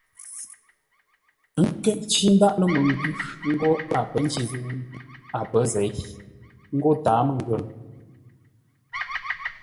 Ə́ nkə̂ ncí ndáʼ lə́ məngwʉ̂ ńgó a pə̌ njî zə̂u a pə̌ zěi; ńgó tǎa mə́ngwə́nə.